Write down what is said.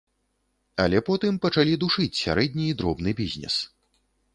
Але потым пачалі душыць сярэдні і дробны бізнес.